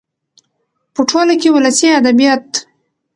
.په ټوله کې ولسي ادبيات